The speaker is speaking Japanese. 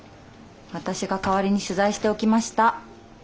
私が代わりに取材しておきました。